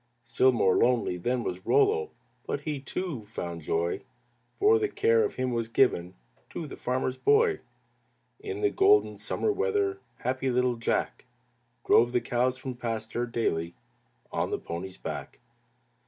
Still more lonely then was Rollo, But he, too, found joy, For the care of him was given To the farmer's boy. In the golden summer weather, Happy little Jack Drove the cows, from pasture daily, On the pony's back.